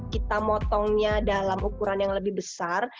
kita motongnya dalam ukuran yang lebih besar